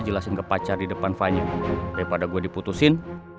jelasin ke pacar di depan fine daripada gue diputusin